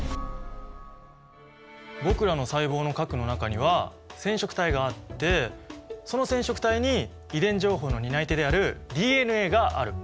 僕らの細胞の核の中には染色体があってその染色体に遺伝情報の担い手であるＤＮＡがある。